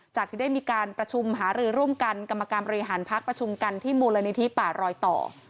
ที่ได้มีการประชุมหารือร่วมกันกรรมการบริหารพักประชุมกันที่มูลนิธิป่ารอยต่อ